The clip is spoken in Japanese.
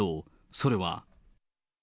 それは。